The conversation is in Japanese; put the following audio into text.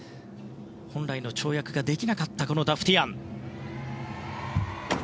本来の跳躍ができなかったダフティアン。